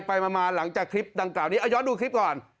ไปมาหลังจากคลิปดังกล่าวนี้เอาย้อนดูคลิปก่อน